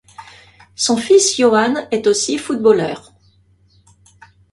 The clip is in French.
Son fils Ioan est aussi footballeur.